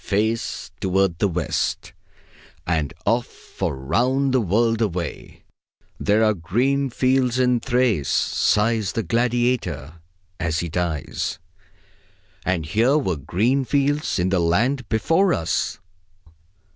Face toward the West! And off for round the world away! "There are green fields in Thrace," sighs the gladiator as he dies. And here were green fields in the land before us.